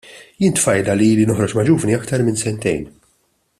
Jien tfajla li ili noħroġ ma' ġuvni aktar minn sentejn.